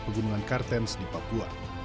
penggunaan kartens di papua